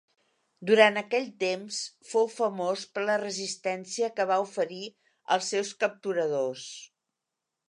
Durant aquell temps, fou famós per la resistència que va oferir als seus capturadors.